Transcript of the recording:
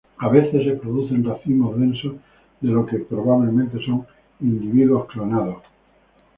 A veces se producen racimos densos de lo que probablemente son individuos clonados.